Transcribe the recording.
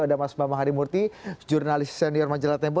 ada mas bambang harimurti jurnalis senior majalah tempo